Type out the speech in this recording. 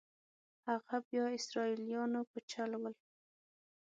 هغه بیا اسرائیلیانو په چل ول.